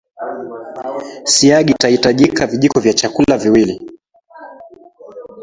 siagi itahitajika vijiko vya chakula mbili